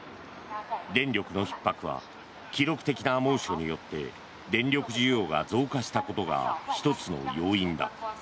電力のひっ迫は記録的な猛暑によって電力需要が増加したことが１つの要因だ。